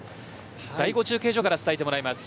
第５中継所から伝えてもらいます。